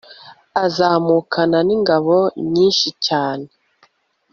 azamukana n'ingabo nyinshi cyane